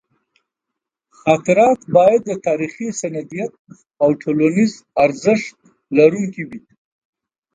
خاطرات باید د تاریخي سندیت او ټولنیز ارزښت لرونکي وي.